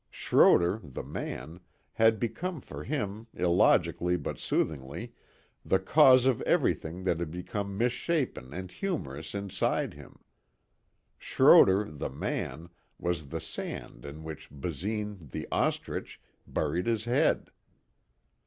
Schroder, the man, had become for him, illogically but soothingly, the cause of everything that had become misshapen and humorous inside him. Schroder, the man, was the sand in which Basine, the ostrich, buried his head.